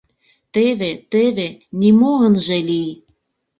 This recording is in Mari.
Теве, теве, нимо ынже лий...